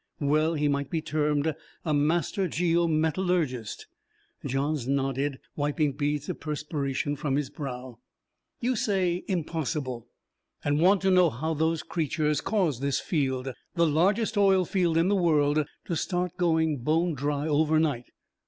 Well he might be termed a master geo metallurgist. Johns nodded, wiping beads of perspiration from his brow. "You say impossible and want to know how those creatures cause this field, the largest oil field in the world, to start going bone dry over night.